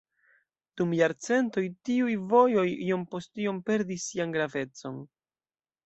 Dum jarcentoj tiuj vojoj iom post iom perdis sian gravecon.